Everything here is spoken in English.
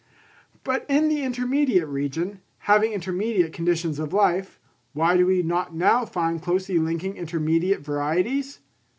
But in the intermediate region, having intermediate conditions of life, why do we not now find closely linking intermediate varieties?